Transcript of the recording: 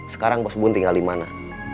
sekarang bos bubun tinggal di mana